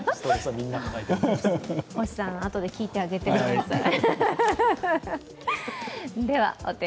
星さん、あとで聞いてあげてください。